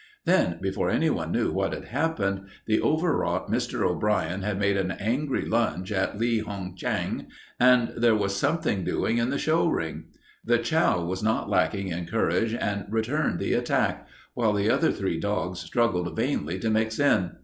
Then, before anyone knew what had happened, the overwrought Mr. O'Brien had made an angry lunge at Li Hung Chang, and there was something doing in the show ring. The chow was not lacking in courage and returned the attack, while the other three dogs struggled vainly to mix in.